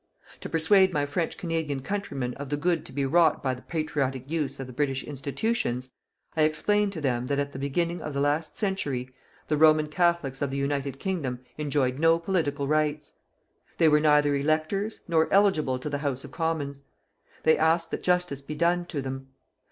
To persuade my French Canadian countrymen of the good to be wrought by the patriotic use of the British institutions, I explained to them that at the beginning of the last century, the Roman Catholics of the United Kingdom enjoyed no political rights. They were neither electors, nor eligible to the House of Commons. They asked that justice be done to them.